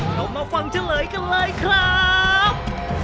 เรามาฟังเฉลยกันเลยครับ